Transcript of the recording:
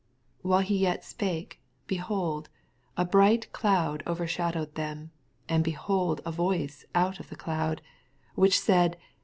5 While he yet spake, behold, a bright cloud overshadowed, them : and behold a voice out of the cloud, which said.